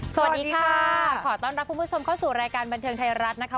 สวัสดีค่ะขอต้อนรับคุณผู้ชมเข้าสู่รายการบันเทิงไทยรัฐนะคะ